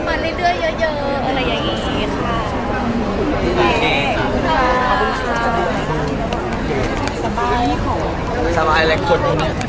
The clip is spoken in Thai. สบายแหละคุณ